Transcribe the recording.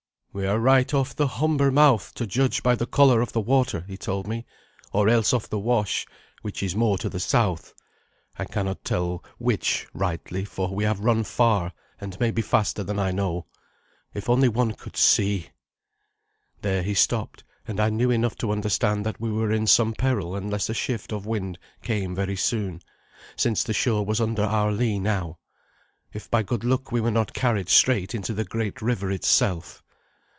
"We are right off the Humber mouth, to judge by the colour of the water," he told me, "or else off the Wash, which is more to the south. I cannot tell which rightly, for we have run far, and maybe faster than I know. If only one could see " There he stopped, and I knew enough to understand that we were in some peril unless a shift of wind came very soon, since the shore was under our lee now, if by good luck we were not carried straight into the great river itself.